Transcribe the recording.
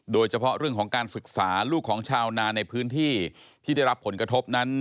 โดยเฉพาะเรื่องของการศึกษาลูกของชาวนาในพื้นที่ที่ได้รับผลกระทบนั้น